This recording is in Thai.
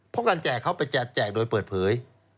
เพราะการแจกเขาไปแจกโดยเปิดเผย